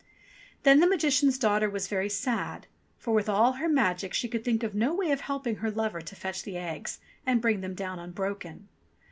Then the Magician's daughter was very sad ; for with all her magic she could think of no way of helping her lover to fetch the eggs, and bring them down unbroken.